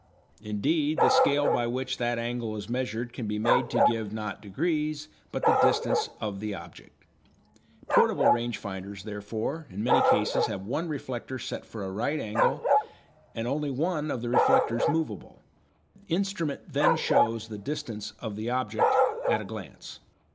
Indeed the scale by which that angle is measured can be made to give not degrees, but the distance of the object. Portable range finders, therefore, in many cases have one reflector set for a right angle and only one of the reflectors movable. The instrument then shows the distance of the object at a glance.